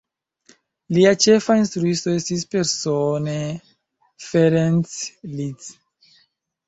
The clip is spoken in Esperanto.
Lia ĉefa instruisto estis persone Ferenc Liszt.